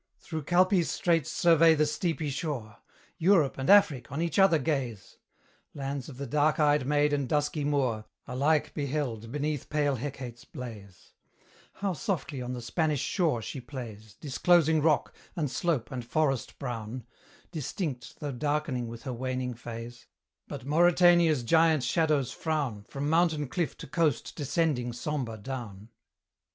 Through Calpe's straits survey the steepy shore; Europe and Afric, on each other gaze! Lands of the dark eyed maid and dusky Moor, Alike beheld beneath pale Hecate's blaze: How softly on the Spanish shore she plays, Disclosing rock, and slope, and forest brown, Distinct, though darkening with her waning phase: But Mauritania's giant shadows frown, From mountain cliff to coast descending sombre down.